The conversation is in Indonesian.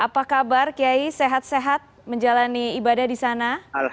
apa kabar kiai sehat sehat menjalani ibadah di sana